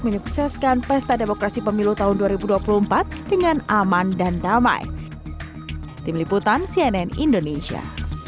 menyukseskan pesta demokrasi pemilu tahun dua ribu dua puluh empat dengan aman dan damai tim liputan cnn indonesia